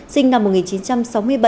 sinh năm một nghìn chín trăm sáu mươi bảy